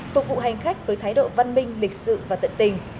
phục vụ hành khách với thái độ văn minh lịch sự và tận tình